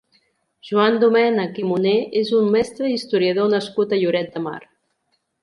Joan Domènech i Moner és un mestre i historiador nascut a Lloret de Mar.